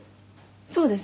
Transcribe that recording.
「そうです。